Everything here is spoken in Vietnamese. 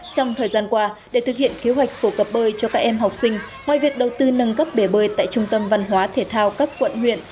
trong thời gian qua để thực hiện kế hoạch phổ cập bơi cho các em học sinh ngoài việc đầu tư nâng cấp bể bơi tại trung tâm văn hóa thể thao các quận huyện